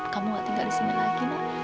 kamu enggak tinggal di sini lagi ma